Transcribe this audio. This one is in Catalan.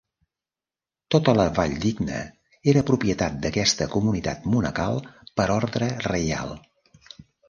Tota la Valldigna era propietat d'aquesta comunitat monacal per ordre reial.